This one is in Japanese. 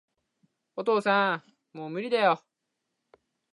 お父さん、もう無理だよ